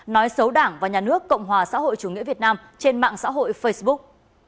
nói xấu đảng và nhà nước cộng hòa xã hội chủ nghĩa việt nam trên mạng xã hội facebook